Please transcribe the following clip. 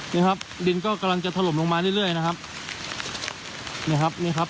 นี่ครับดินก็กำลังจะถล่มลงมาเรื่อยเรื่อยนะครับเนี่ยครับเนี่ยครับ